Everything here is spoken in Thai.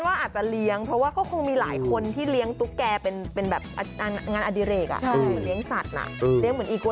อาจจะเลี้ยงเพราะคงมีหลายคนที่เลี้ยงตุ๊กแกเป็หน้าอดิเรก